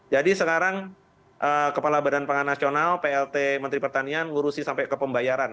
jadi sekarang kepala badan pangan nasional plt menteri pertanian ngurusi sampai ke pembayaran